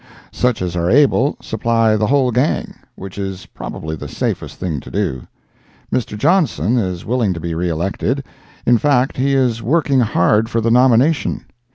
Such as are able, supply the whole gang, which is probably the safest thing to do. Mr. Johnson is willing to be reelected. In fact he is working hard for the nomination.